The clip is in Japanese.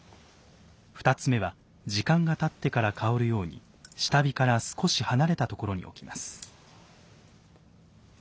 ２つ目は時間がたってから香るように下火から少し離れたところに置きます。